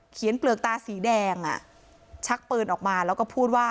เปลือกตาสีแดงชักปืนออกมาแล้วก็พูดว่า